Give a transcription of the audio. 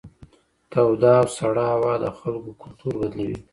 توده او سړه هوا د خلګو کلتور بدلوي.